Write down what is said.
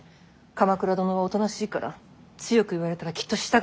鎌倉殿はおとなしいから強く言われたらきっと従ってしまいます。